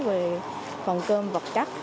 về phần cơm vật chất